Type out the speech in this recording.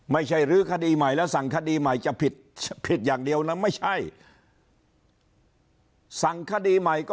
ไม่ใช่ลื้อคดีใหม่แล้วสั่งคดีใหม่จะผิด